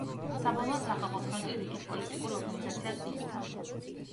საბოლოოდ, სახალხო ფრონტი რიგით პოლიტიკურ ორგანიზაციად იქცა.